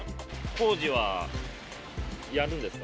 工事はやるんですか？